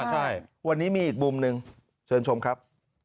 ใช่วันนี้มีอีกมุมหนึ่งเชิญชมครับ